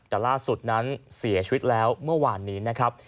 แต่ล่าสุดนั้นเสียชีวิตแล้วเมื่อวานนี้นะครับ